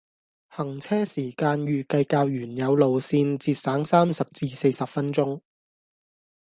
行車時間預計較原有路線節省三十至四十分鐘。